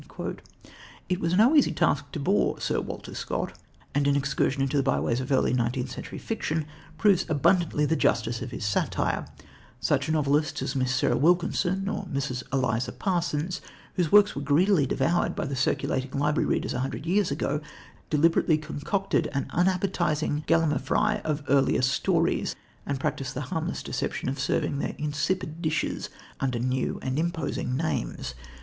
It was no easy task to bore Sir Walter Scott, and an excursion into the byeways of early nineteenth century fiction proves abundantly the justice of his satire. Such novelists as Miss Sarah Wilkinson or Mrs. Eliza Parsons, whose works were greedily devoured by circulating library readers a hundred years ago, deliberately concocted an unappetising gallimaufry of earlier stories and practised the harmless deception of serving their insipid dishes under new and imposing names.